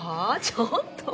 ちょっと。